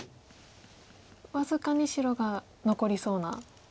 僅かに白が残りそうな。